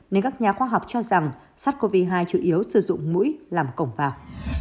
nên các nhà khoa học cho rằng sars cov hai chủ yếu sử dụng mũi làm cổng vào